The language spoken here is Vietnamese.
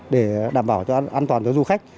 để đảm bảo cho an toàn cho du khách